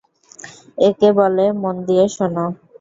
একে বলে মন দিয়ে শোনা।